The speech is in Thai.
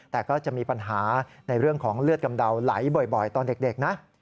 แต่ก็จะมีปัญหาในเรื่องของเลือดกำเดาไหลบ่อยตอนเด็กนะ